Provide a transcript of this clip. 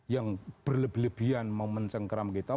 yang berlebihan mau mencengkeram kita